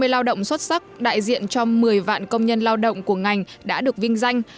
một trăm năm mươi lao động xuất sắc đại diện cho một mươi vạn công nhân lao động của ngành đã được vinh danh